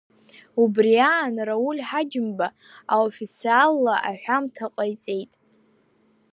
Убри аан Рауль Ҳаџьымба аофициалла аҳәамҭа ҟаиҵеит…